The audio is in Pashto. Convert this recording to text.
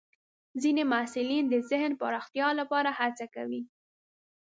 ځینې محصلین د ذهن پراختیا لپاره هڅه کوي.